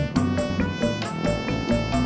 ah backside gua